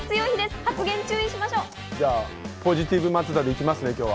じゃあ、ポジティブ松田ができますね、今日は。